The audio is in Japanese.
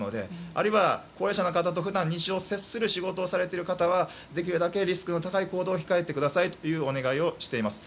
あるいは、高齢者の方と普段接する仕事をされている方はできるだけリスクの高い行動を控えてくださいということをお願いしています。